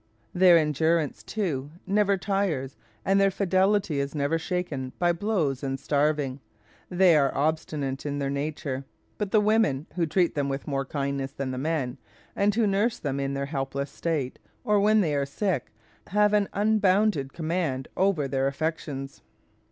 Their endurance, too, never tires, and their fidelity is never shaken by blows and starving: they are obstinate in their nature, but the women, who treat them with more kindness than the men, and who nurse them in their helpless state, or when they are sick, have an unbounded command over their affections.